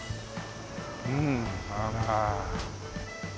うんあら。